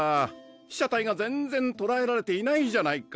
被写体が全然とらえられていないじゃないか。